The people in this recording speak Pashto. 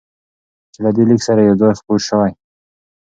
چې له دې لیک سره یو ځای خپور شوی،